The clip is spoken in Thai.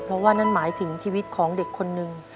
เพราะว่านั่นหมายถึงชีวิตของเด็กคนหนึ่ง